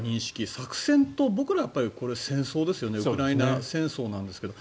作戦と僕らは戦争ですよねウクライナ戦争なんですけど。